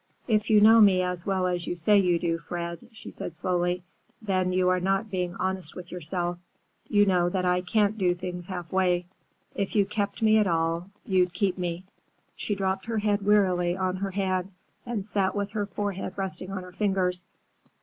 "If you know me as well as you say you do, Fred," she said slowly, "then you are not being honest with yourself. You know that I can't do things halfway. If you kept me at all—you'd keep me." She dropped her head wearily on her hand and sat with her forehead resting on her fingers.